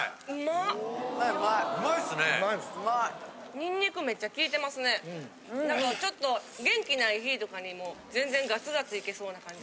ニンニクめっちゃきいてますねなんかちょっと元気ない日とかにも全然ガツガツいけそうな感じ！